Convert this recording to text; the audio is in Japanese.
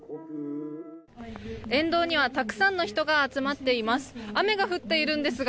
沿道にはたくさんの人が集まっています。